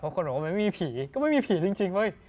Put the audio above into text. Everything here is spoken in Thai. เพราะคนบอกว่ามันมีผีก็ไม่มีผีจริง